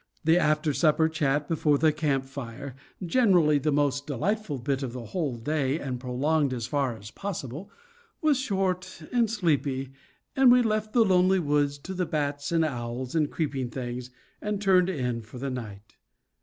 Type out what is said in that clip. The after supper chat before the camp fire generally the most delightful bit of the whole day, and prolonged as far as possible was short and sleepy; and we left the lonely woods to the bats and owls and creeping things, and turned in for the night.